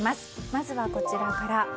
まずは、こちらから。